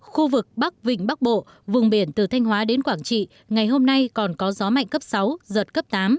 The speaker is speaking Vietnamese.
khu vực bắc vịnh bắc bộ vùng biển từ thanh hóa đến quảng trị ngày hôm nay còn có gió mạnh cấp sáu giật cấp tám